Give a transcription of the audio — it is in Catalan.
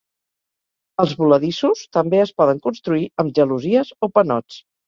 Els voladissos també es poden construir amb gelosies o panots.